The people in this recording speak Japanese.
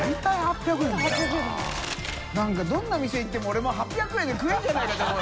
なんかどんな店行っても俺もう８００円で食えるんじゃないかと思う。